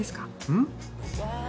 うん？